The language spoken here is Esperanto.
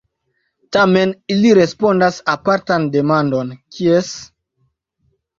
Tamen ili respondas apartan demandon: "kies?